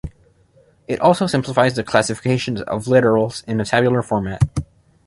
It also simplifies the classification of literals in tabular format.